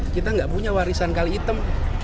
kita nggak punya warisan kali item